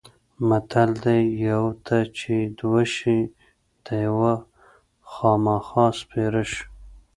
متل دی: یوه ته چې دوه شي د یوه خوامخا سپېره شي.